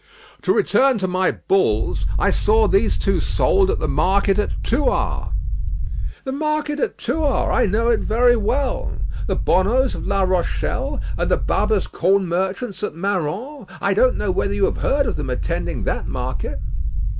"To return to my bulls; I saw these two sold at the market at Thouars." "The market at Thouars; I know it very well. The Bonneaus of La Rochelle, and the Babas corn merchants at Marans, I don't know whether you have heard of them attending that market."